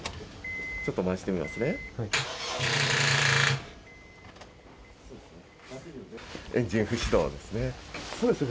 ちょっと回してみますね。